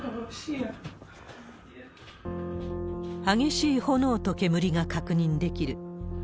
激しい炎と煙が確認できる。